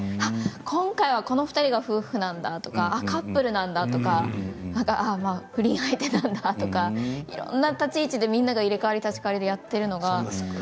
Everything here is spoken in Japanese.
今回はこの２人が夫婦なんだとかカップルなんだとか不倫相手なんだとかいろんな立ち位置でみんなが入れ代わり立ち代わり少なかったから。